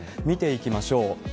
見ていきましょう。